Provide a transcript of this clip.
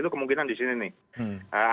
itu kemungkinan di sini nih